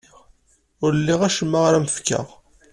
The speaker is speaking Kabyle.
Ur liɣ acemma ara am-fkeɣ.